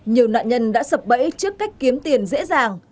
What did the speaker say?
nhiều nạn nhân đã sập bẫy trước cách kiếm tiền dễ dàng